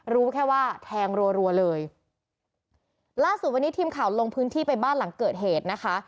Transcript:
รู้แค่ว่าแทงรัวเลยล่าสุดวันนี้ทีมข่าวลงพื้นที่ไปบ้านหลังเกิดเหตุนะคะ